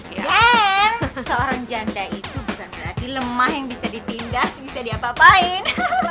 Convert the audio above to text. dan seorang janda itu bukan berarti lemah yang bisa ditindas bisa diapa apain